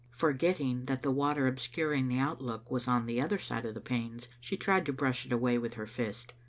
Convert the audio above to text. Forgetting that the water obscuring the outlook was on the other side of the panes, she tried to brush it away with her fist.